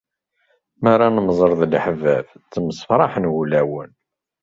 Mi ara nemẓer d leḥbab, ttemsefraḥen wulawen.